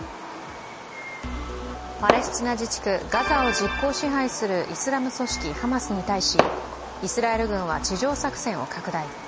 パレスチナ自治区ガザを実効支配するイスラム組織ハマスに対しイスラエル軍は地上作戦を拡大。